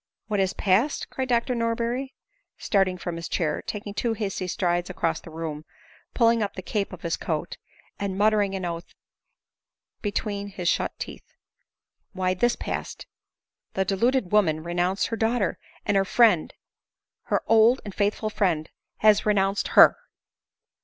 " What has passed ?" cried Dr Norberry, starting from his chair, taking two hasty strides across the room, pulling up the cape of his coat, and muttering an oath between 12 130 ADELINE MOWBRAY. his shut teeth —" Why, this passed :— The deluded wo" man renounced her daughter ; and her friend, her old and faithful friend, Jias renounced her."